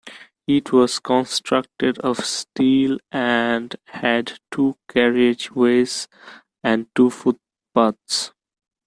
It was constructed of steel and had two carriage ways and two footpaths.